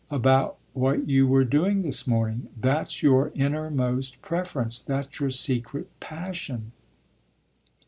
"About what you were doing this morning. That's your innermost preference, that's your secret passion."